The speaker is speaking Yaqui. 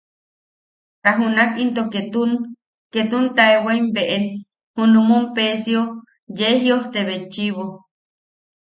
Ta junak into ketun... ketun taewaim beʼen junumun Peesio yee jiʼojte betchiʼibo.